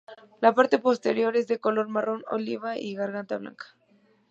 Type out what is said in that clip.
La parte posterior es de color marrón oliva y la garganta blanca.